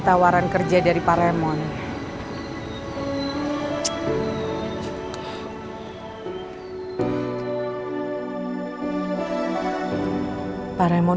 tawaran kerja dari pak raymond